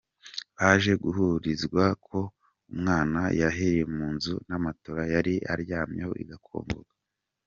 Baje guhuruzwa ko umwana yahiriye mu nzu na matora yari aryamyeho igakongoka.